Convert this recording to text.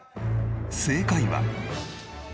正解は。